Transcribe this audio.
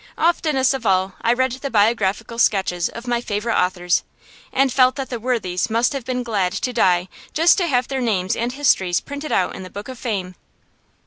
Oftenest of all I read the biographical sketches of my favorite authors, and felt that the worthies must have been glad to die just to have their names and histories printed out in the book of fame.